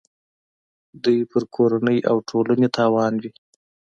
دوی پر کورنۍ او ټولنې تاوان وي.